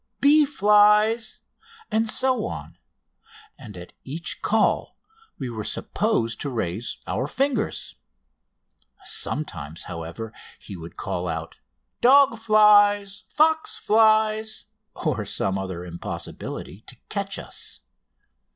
"Bee flies!" and so on, and at each call we were supposed to raise our fingers. Sometimes, however, he would call out "Dog flies!" "Fox flies!" or some other like impossibility, to catch us.